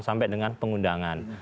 sampai dengan pengundangan